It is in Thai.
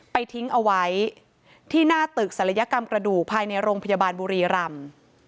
ทิ้งเอาไว้ที่หน้าตึกศัลยกรรมกระดูกภายในโรงพยาบาลบุรีรำ